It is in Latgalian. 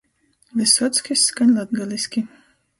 Vysockis skaņ latgaliski!